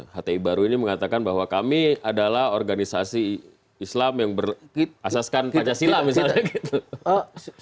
hti baru ini mengatakan bahwa kami adalah organisasi islam yang berasaskan pancasila misalnya gitu